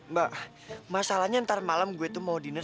mbak masalahnya ntar malam gue tuh mau dinner